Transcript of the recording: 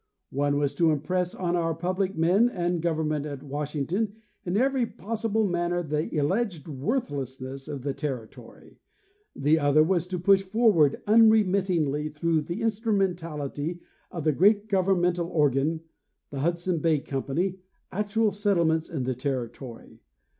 One was to impress on our public men and the goy ernment at Washington in every possible manner the alleged worthlessness of the territory; the other was to push forward unremittingly through the instrumentality of the great govern mental organ, the Hudson Bay company, actual settlements in the territory.